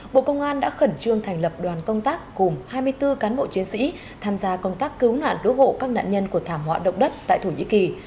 bộ công an đã khẩn trương thành lập đoàn công tác cùng hai mươi bốn cán bộ chiến sĩ tham gia công tác cứu nạn cứu hộ các nạn nhân của thảm họa động đất tại thổ nhĩ kỳ